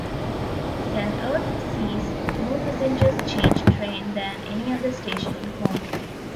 Saint Erth sees more passengers change train than any other station in Cornwall.